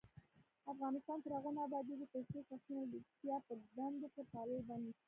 افغانستان تر هغو نه ابادیږي، ترڅو شخصي ملګرتیا په دندو کې پالل بند نشي.